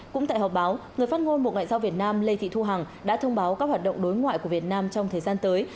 cũng tại họp báo người phát ngôn bộ ngoại giao việt nam lê thị thu hằng đã thông báo các hoạt động đối ngoại của việt nam trong thời gian tới